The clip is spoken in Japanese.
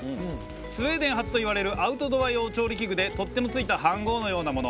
スウェーデン発といわれるアウトドア用調理器具で取っ手の付いた飯ごうのようなもの。